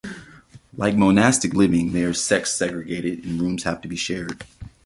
Like monastic living, they are sex segregated and rooms have to be shared.